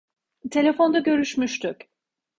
Telefonda görüşmüştük.